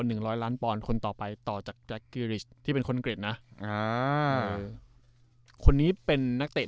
หนึ่งร้อยล้านปอนด์คนต่อไปต่อจากกิริชที่เป็นคนอังกฤษนะอ่าคนนี้เป็นนักเตะ